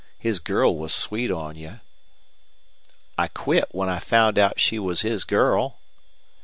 His girl was sweet on you." "I quit when I found out she was his girl."